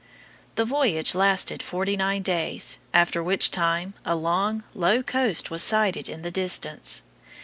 The voyage lasted forty nine days, after which time a long, low coast was sighted in the distance.